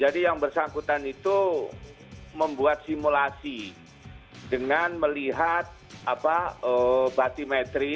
jadi yang bersangkutan itu membuat simulasi dengan melihat batimetri